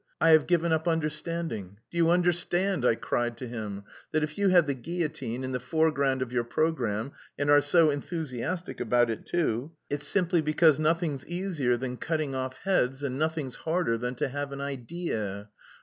I have given up understanding. 'Do you understand,' I cried to him, 'that if you have the guillotine in the foreground of your programme and are so enthusiastic about it too, it's simply because nothing's easier than cutting off heads, and nothing's harder than to have an idea.